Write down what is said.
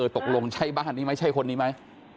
ตกลงใช่บ้านนี้ไหมใช่คนนี้ไหม